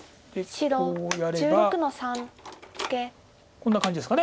こんな感じですか。